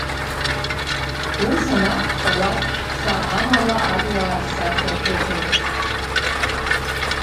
Ус анакәха, уахь шәца, амала аруаа рсахьа шәыҭаны…